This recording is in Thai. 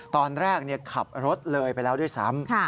ตอนแรกขับรถเลยไปแล้วด้วยซ้ำ